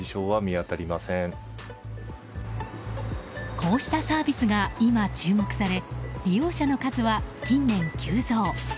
こうしたサービスが今、注目され利用者の数は近年急増。